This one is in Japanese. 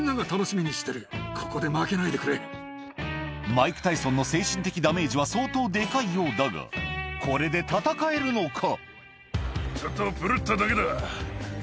マイク・タイソンの精神的ダメージは相当デカいようだがこれで戦えるのか？